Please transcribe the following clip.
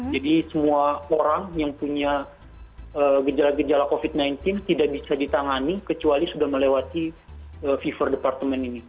jadi semua orang yang punya gejala gejala covid sembilan belas tidak bisa ditangani kecuali sudah melewati vivor department ini